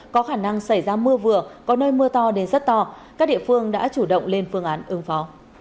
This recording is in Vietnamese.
có khả năng xảy ra mưa vừa có nơi mưa to đến rất to các địa phương đã chủ động lên phương án ứng phó